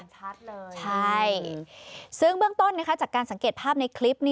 ชัดเลยใช่ซึ่งเบื้องต้นจากการสังเกตภาพในคลิป